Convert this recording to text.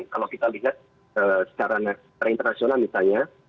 kalau kita lihat sekarang per internasional misalnya